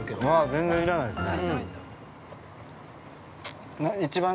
◆全然要らないですね。